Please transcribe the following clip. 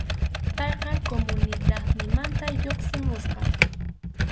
Payqa comunidadninmanta lluqsimusqa.